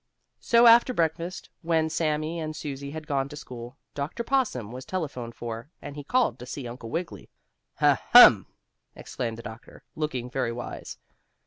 So after breakfast, when Sammie and Susie had gone to school, Dr. Possum was telephoned for, and he called to see Uncle Wiggily. "Ha! Hum!" exclaimed the doctor, looking very wise.